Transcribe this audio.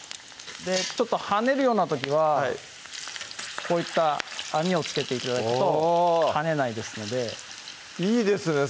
ちょっと跳ねるような時はこういった網をつけて頂くとあ跳ねないですのでいいですね